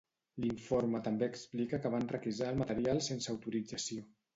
L'informe també explica que van requisar el material sense autorització.